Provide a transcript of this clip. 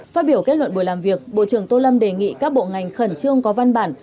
phát biểu kết luận buổi làm việc bộ trưởng tô lâm đề nghị các bộ ngành khẩn trương có văn bản